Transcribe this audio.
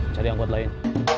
cari angkot lain